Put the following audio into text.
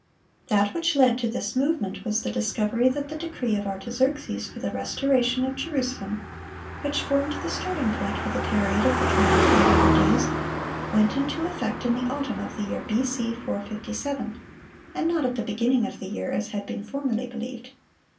That which led to this movement was the discovery that the decree of Artaxerxes for the restoration of Jerusalem, which formed the starting point for the period of the 2300 days, went into effect in the autumn of the year B.C. 457, and not at the beginning of the year, as had been formerly believed.